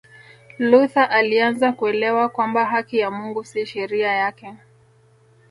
Luther alianza kuelewa kwamba haki ya Mungu si sheria yake